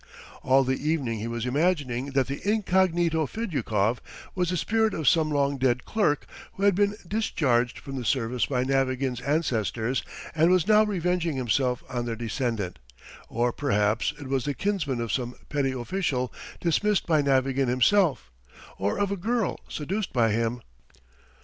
All the evening he was imagining that the incognito Fedyukov was the spirit of some long dead clerk, who had been discharged from the service by Navagin's ancestors and was now revenging himself on their descendant; or perhaps it was the kinsman of some petty official dismissed by Navagin himself, or of a girl seduced by him.